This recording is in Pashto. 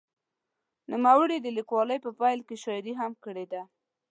نوموړي د لیکوالۍ په پیل کې شاعري هم کړې ده.